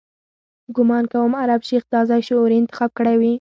ګومان کوم عرب شیخ دا ځای شعوري انتخاب کړی وي.